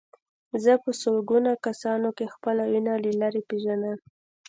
زه په سلګونه کسانو کې خپله وینه له لرې پېژنم.